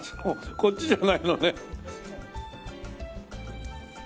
こっちじゃないのね。